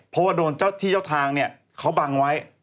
เพราะว่าโดนเจ้าที่เจ้าทางเนี่ยเขาบังไว้